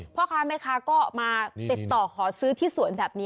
พ่อค้าแม่ค้าก็มาติดต่อขอซื้อที่สวนแบบนี้